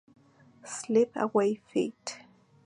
Slip Away feat.